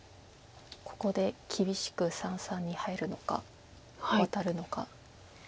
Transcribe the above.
ここで厳しく三々に入るのかワタるのか。